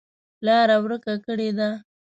لاره ورکه کړې ده.